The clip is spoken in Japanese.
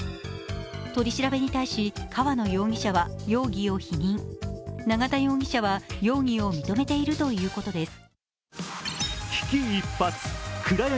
取り調べに対し河野容疑者は容疑を否認、永田容疑者は容疑を認めているということです。